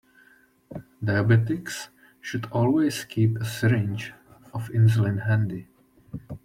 Diabetics should always keep a syringe of insulin handy.